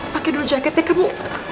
pakai dulu jaketnya kamu